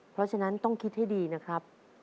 เพราะฉะนั้นต้องคิดให้ดีนะครับ